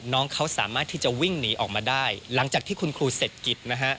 น้องเขาสามารถที่จะวิ่งหนีออกมาได้หลังจากที่คุณครูเสร็จกิจนะฮะ